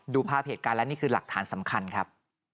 ภาพเหตุการณ์และนี่คือหลักฐานสำคัญครับ